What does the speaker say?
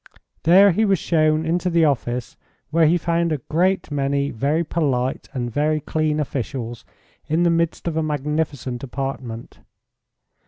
There he was shown into the office where he found a great many very polite and very clean officials in the midst of a magnificent apartment.